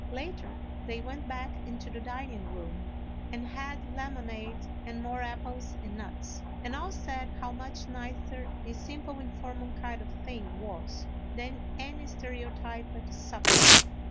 Later they went back into the dining room, and had lemonade and more apples and nuts, and all said how much nicer this simple, informal kind of thing was, than any stereotyped supper.